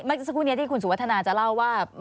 เมื่อสักครู่นี้ที่คุณสุวัฒนาจะเล่าว่า